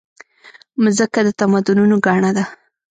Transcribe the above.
مځکه د تمدنونو ګاڼه ده.